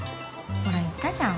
ほら言ったじゃん。